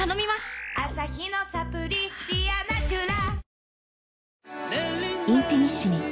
アサヒのサプリ「ディアナチュラ」